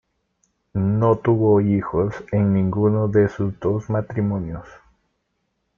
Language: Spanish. No tuvo hijos en ninguno de sus dos matrimonios.